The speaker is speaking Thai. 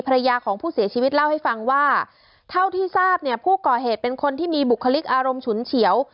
ภรรยาของผู้เสียชีวิตเล่าให้ฟังว่าเท่าที่ทราบเนี่ยผู้ก่อเหตุเป็นคนที่มีบุคลิกอารมณ์ฉุนเฉียว